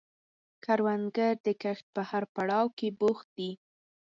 کروندګر د کښت په هر پړاو کې بوخت دی